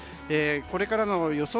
これからの予想